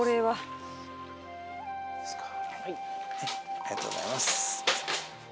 ありがとうございます。